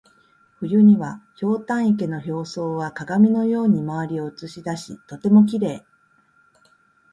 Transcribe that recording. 冬には、ひょうたん池の表層は鏡のように周りを写し出しとてもきれい。